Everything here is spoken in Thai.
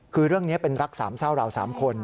คือเรื่องนี้เป็นรักษามรสามคน